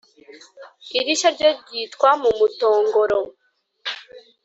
irishya ryo ryitwa "mu mutongoro".